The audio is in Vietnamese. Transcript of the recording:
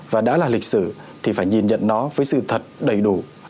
và đã là lịch sử thì phải nhìn nhận nó với sự thật đầy đủ